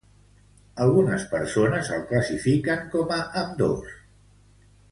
Algunes persones el classifiquen com a ambdós.